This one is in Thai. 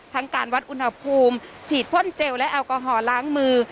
การวัดอุณหภูมิฉีดพ่นเจลและแอลกอฮอลล้างมือ